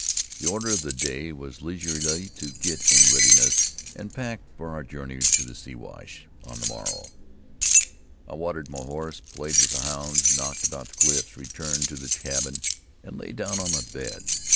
The order of the day was leisurely to get in readiness, and pack for our journey to the Siwash on the morrow. I watered my horse, played with the hounds, knocked about the cliffs, returned to the cabin, and lay down on my bed.